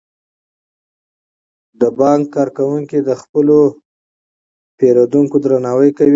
د بانک کارکوونکي د خپلو پیرودونکو درناوی کوي.